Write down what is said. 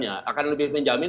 akan lebih menjamin